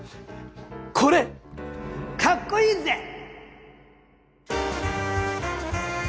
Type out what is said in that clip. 「これ、かっこイイぜ！」。